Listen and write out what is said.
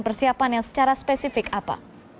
persiapan yang secara spesifik apa